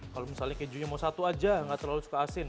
kalau misalnya kejunya mau satu aja nggak terlalu suka asin